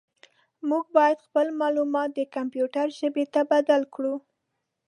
موږ باید خپل معلومات د کمپیوټر ژبې ته بدل کړو.